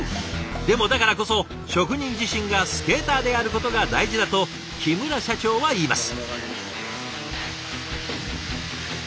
でもだからこそ職人自身がスケーターであることが大事だと木村社長は言います。